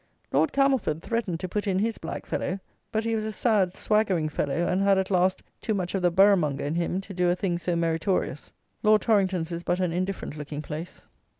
Lord Camelford threatened to put in his black fellow; but he was a sad swaggering fellow; and had, at last, too much of the borough monger in him to do a thing so meritorious. Lord Torrington's is but an indifferent looking place.